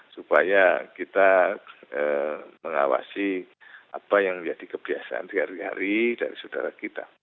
supaya kita mengawasi apa yang menjadi kebiasaan sehari hari dari saudara kita